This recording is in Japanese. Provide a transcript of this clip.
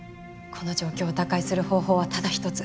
この状況を打開する方法はただ一つ。